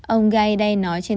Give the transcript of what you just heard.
ông gaidai nói trên tên